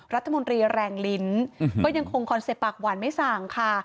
รัฐมนตรีแรงลิ้นก็ยังคงคอนเซ็ตปากหวานไม่สั่งค่ะ